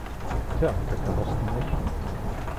Ta d takeṛṛust-nnek?